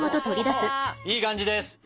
いい感じです。